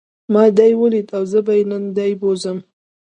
ما دی وليد او زه به نن دی بوځم.